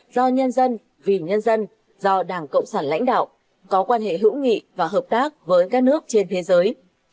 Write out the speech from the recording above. do nhân dân vì nhân dân do đảng cộng sản lãnh đạo có quan hệ hữu nghị và hợp tác với các nước trên thế giới